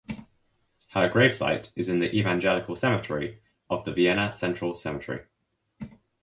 Her gravesite is in the Evangelical Cemetery of the Vienna Central Cemetery.